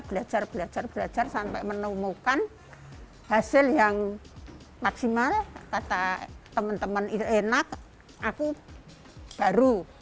belajar belajar belajar sampai menemukan hasil yang maksimal kata teman teman itu enak aku baru